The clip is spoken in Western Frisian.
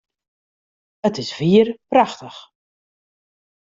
It is wier prachtich!